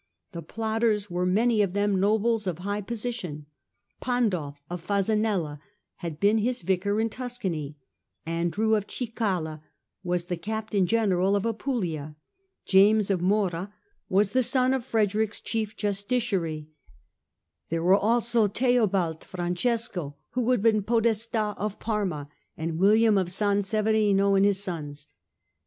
The plotters were many of them nobles of high position : Pandulf of Fasanella had been his Vicar in Tuscany ; Andrew of Cicala was the Captain General of Apulia ; James of Morra was the son of Frederick's chief justi ciary : there were also Theobald Francesco, who had been Podesta of Parma, and William of Sanseverino and his sons.